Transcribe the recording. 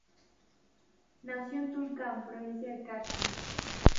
Nació en Tulcán, provincia de Carchi.